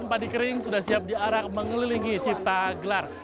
padi kering sudah siap diarak mengelilingi cipta gelar